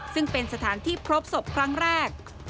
ซึ่งเป็นสถานที่พบศพครั้งแรก